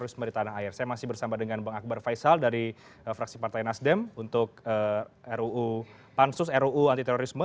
saya masih bersama dengan bang akbar faisal dari fraksi partai nasdem untuk ruu pansus ruu antiterorisme